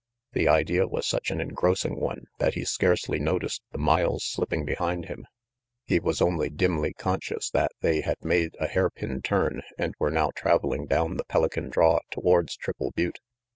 The idea was such an engrossing one that he scarcely noticed the miles slipping behind him; he was only dimly conscious that they had made a hair pin turn and were now traveling down the Pelican draw towards Triple Butte.